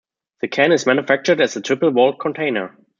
The can is manufactured as a triple-walled container.